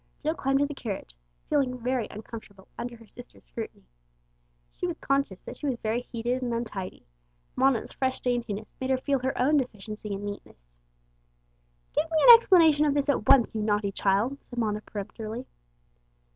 Jill climbed into the carriage, feeling very uncomfortable under her sister's scrutiny. She was conscious that she was very heated and untidy; Mona's fresh daintiness made her feel her own deficiency in neatness. "Give me an explanation of this at once, you naughty child," said Mona peremptorily.